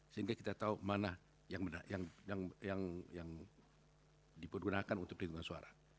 sehingga kita tahu mana yang dipergunakan untuk perhitungan suara